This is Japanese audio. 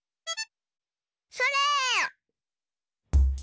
それ！